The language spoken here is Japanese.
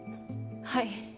はい。